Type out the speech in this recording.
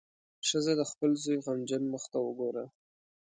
ښځه د خپل زوی غمجن مخ وګوره.